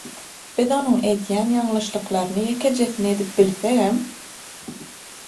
«Biz Onuň edýän ýagşylyklarynyň ýekejesini edip bilsegem